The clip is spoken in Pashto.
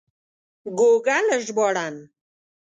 ګوګل ژباړن